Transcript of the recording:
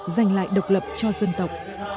dành lại độc lập cho dân tộc